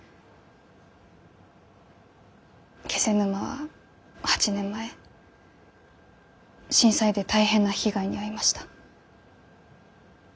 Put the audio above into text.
気仙沼は８年前震災で大変な被害に遭いました。